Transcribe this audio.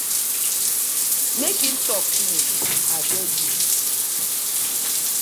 Mek im tok finish abeg yu.